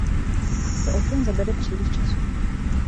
To ovšem zabere příliš času.